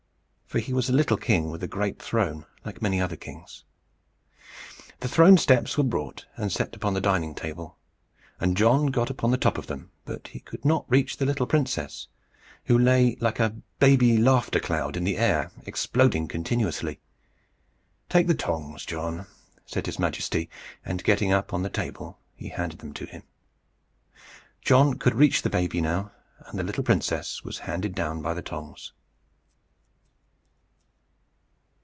For he was a little king with a great throne, like many other kings. The throne steps were brought, and set upon the dining table, and John got upon the top of them. But he could not reach the little princess, who lay like a baby laughter cloud in the air, exploding continuously. "Take the tongs, John," said his Majesty; and getting up on the table, he handed them to him. John could reach the baby now, and the little princess was handed down by the tongs.